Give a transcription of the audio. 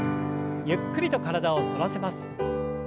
ゆっくりと体を反らせます。